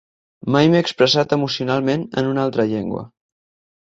Mai m’he expressat emocionalment en una altra llengua.